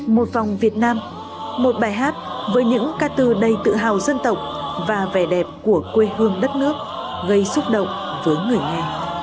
một vòng việt nam một bài hát với những ca từ đầy tự hào dân tộc và vẻ đẹp của quê hương đất nước gây xúc động với người nghe